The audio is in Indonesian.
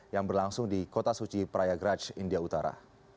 yang berlangsung di kota suci prayagraj india utara